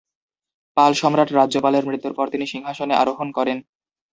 পাল সম্রাট রাজ্যপালের মৃত্যুর পর তিনি সিংহাসনে আরোহণ করেন।